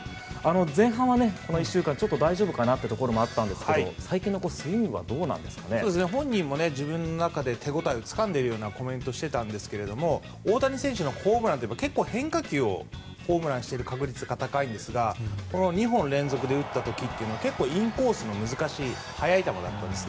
前半はこの１週間ちょっと大丈夫かなという部分もあったんですが本人も自分の中でつかんでいるようなコメントをしていたんですが大谷選手のホームランって結構、変化球をホームランにしている確率が高いんですが２本連続で打った時は結構、インコースの難しい速い球だったんです。